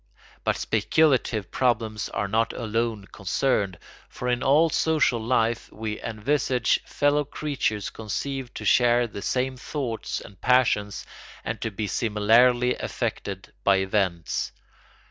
But speculative problems are not alone concerned, for in all social life we envisage fellow creatures conceived to share the same thoughts and passions and to be similarly affected by events.